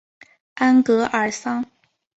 安戈尔桑。